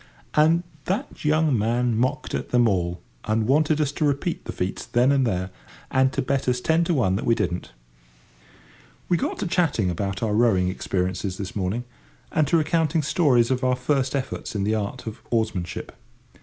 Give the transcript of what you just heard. And that young man mocked at them all, and wanted us to repeat the feats then and there, and to bet us ten to one that we didn't. We got to chatting about our rowing experiences this morning, and to recounting stories of our first efforts in the art of oarsmanship.